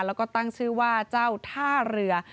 แล้วก็ตั้งชื่อว่าเจ้าท่าเรือ